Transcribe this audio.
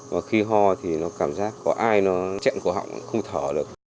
và khi ho thì nó cảm giác có ai nó chẹn khổ họng không thở được